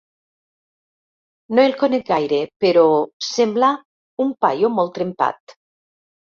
No el conec gaire, però sembla un paio molt trempat.